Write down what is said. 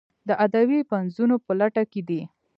د ادبي پنځونو په لټه کې دي.